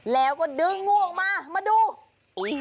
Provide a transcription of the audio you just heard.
แล้วก็ดึงง่วงมามาดู